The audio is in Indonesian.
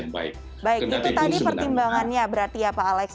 baik itu tadi pertimbangannya berarti ya pak alex